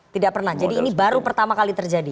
tidak pernah jadi ini baru pertama kali terjadi